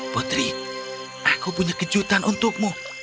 putri aku punya kejutan untukmu